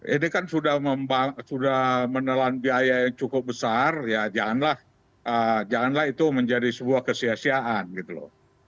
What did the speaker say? ini kan sudah menelan biaya yang cukup besar ya janganlah janganlah itu menjadi sebuah kesiasiaan gitu loh